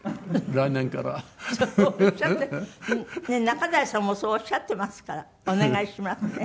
仲代さんもそうおっしゃってますからお願いしますね。